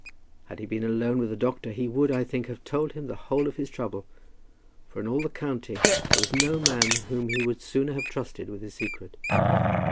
Had he been alone with the doctor, he would, I think, have told him the whole of his trouble; for in all the county there was no man whom he would sooner have trusted with his secret.